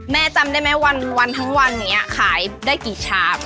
แม่จำได้มั้ยวันทั้งวันเนี่ยขายได้กี่ชาม